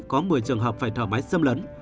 có một mươi trường hợp phải thở máy xâm lấn